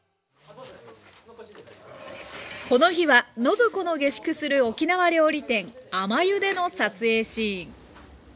この日は暢子の下宿する沖縄料理店「あまゆ」での撮影シーン。